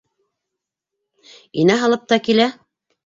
Инә һалып та килә.